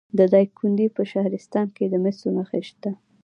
د دایکنډي په شهرستان کې د مسو نښې شته.